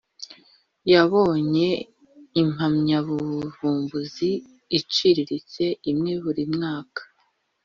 Yabonye Impamyabuvumbuzi iciriritse imwe buri mwaka